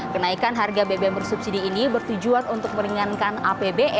kenaikan harga bbm bersubsidi ini bertujuan untuk meringankan apbn yang semakin membengkak akibat besarnya subsidi bbm